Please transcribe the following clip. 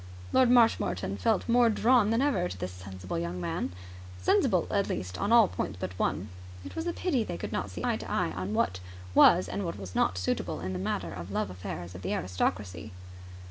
Lord Marshmoreton felt more drawn than ever to this sensible young man sensible, at least, on all points but one. It was a pity they could not see eye to eye on what was and what was not suitable in the matter of the love affairs of the aristocracy.